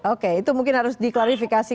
oke itu mungkin harus diklarifikasi